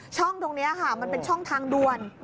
ตรงนี้ค่ะมันเป็นช่องทางด่วน